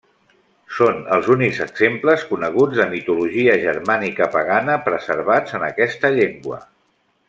Són els únics exemples coneguts de mitologia germànica pagana preservats en aquesta llengua.